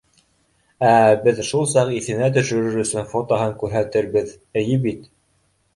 Ә беҙ шул саҡ иҫенә төшөрөр өсөн фотоһын күрһәтербеҙ, эйе бит!